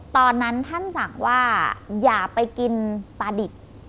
ตอนนั้นท่านสั่งว่าอย่าไปกินปลาดิบ